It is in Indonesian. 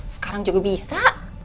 sekarang juga bisa